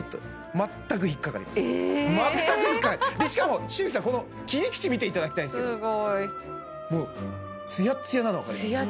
全く引っ掛からないしかも紫吹さんこの切り口見ていただきたいんですけどもうツヤッツヤなの分かりますか？